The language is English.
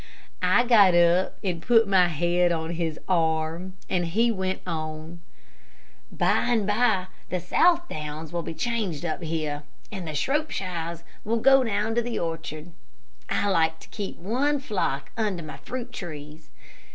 I got up and put my head on his arm, and he went on: "By and by, the Southdowns will be changed up here, and the Shropshires will go down to the orchard. I like to keep one flock under my fruit trees.